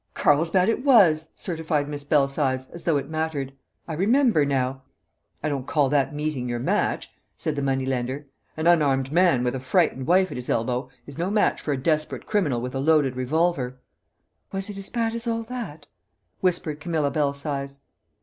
"Carlsbad it was!" certified Miss Belsize, as though it mattered. "I remember now." "I don't call that meeting your match," said the money lender. "An unarmed man with a frightened wife at his elbow is no match for a desperate criminal with a loaded revolver." "Was it as bad as all that?" whispered Camilla Belsize.